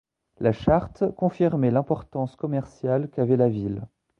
La charte confirmait l'importance commerciale qu'avait la ville.